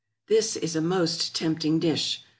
= This is a most tempting dish.